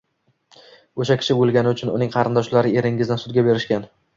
O`sha kishi o`lgani uchun uning qarindoshlari eringizni sudga berishgan